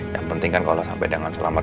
yang penting kan kalau sampai dengan selamat